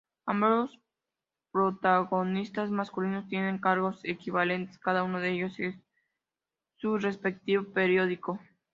Ambos protagonistas masculinos tienen cargos equivalentes, cada uno de ellos en su respectivo periódico.